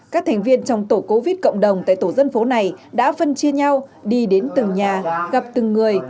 các thành viên trong tổ cố viết cộng đồng tại tổ dân phố này đã phân chia nhau đi đến từng nhà gặp từng người